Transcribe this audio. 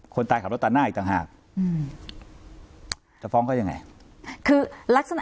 คนตายขับรถต่างหน้าอีกต่างหากจะฟ้องก็ยังไง